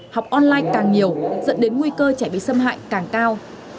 học online càng nhiều dẫn đến nguy cơ trẻ bị xâm hại càng cao